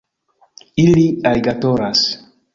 Ili aligatoras